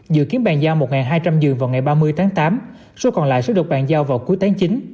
dự kiến bàn giao một hai trăm linh giường vào ngày ba mươi tháng tám số còn lại sẽ được bàn giao vào cuối tháng chín